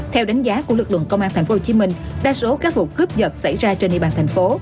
theo đánh giá của lực lượng công an tp hcm đa số các vụ cướp dật xảy ra trên địa bàn thành phố